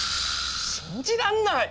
信じらんない！